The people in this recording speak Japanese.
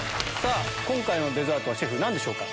今回のデザートはシェフ何でしょうか？